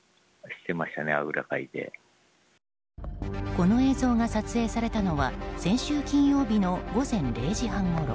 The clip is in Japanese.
この映像が撮影されたのは先週金曜日の午前０時半ごろ。